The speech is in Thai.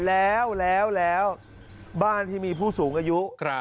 แล้วแล้วบ้านที่มีผู้สูงอายุ